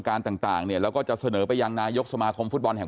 ต่างต่างเนี่ยแล้วก็จะเสนอไปยังนายกสมาคมฟุตบอลแห่ง